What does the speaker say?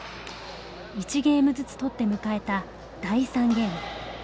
１ゲームずつ取って迎えた第３ゲーム。